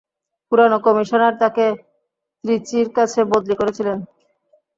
পুরানো কমিশনার তাকে ত্রিচির কাছে বদলি করেছিল।